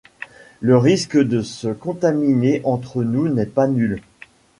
Le risque de se contaminer entre nous n'est pas nul.